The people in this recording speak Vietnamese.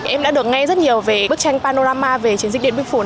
em đã được nghe rất nhiều về bức tranh panorama về chiến dịch điện biên phủ